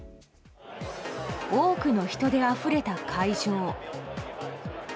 多くの人であふれた会場。